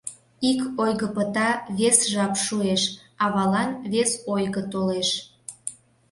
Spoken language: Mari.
Ик ойго пыта, вес жап шуэш, авалан вес ойго толеш.